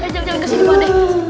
jalan jalan ke sini pak deh